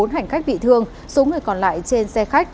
bốn hành khách bị thương số người còn lại trên xe khách